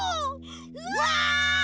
うわ！